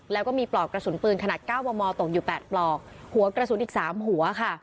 แล้วก็มีปลอกกระสุนปืนขนาด๙มมตกอยู่๘ปลอกหัวกระสุนอีก๓หัวค่ะ